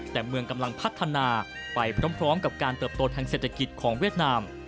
แต่เมืองกำลังพัฒนาไปพร้อมกับการเติบโตทางเศรษฐกิจของเวียดนาม